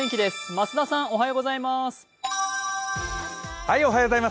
増田さんおはようございます。